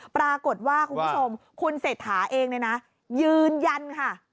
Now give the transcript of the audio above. ปรากฏว่าคุณผู้ชมคุณเศรษฐาเองเนี่ยนะยืนยันค่ะ